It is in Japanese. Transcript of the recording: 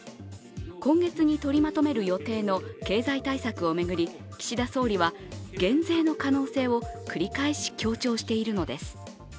今月に取りまとめる予定の経済対策を巡り岸田総理は現在の可能性を繰り返し強調しているのです。